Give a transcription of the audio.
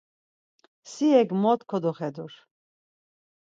Si hek mot kodoxedur!